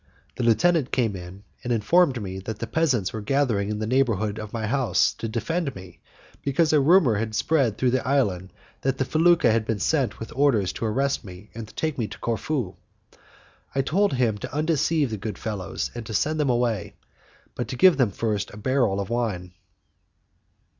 The lieutenant came in, and informed me that the peasants were gathering in the neighbourhood of my house to defend me, because a rumour had spread through the island that the felucca had been sent with orders to arrest me and take me to Corfu. I told him to undeceive the good fellows, and to send them away, but to give them first a barrel of wine.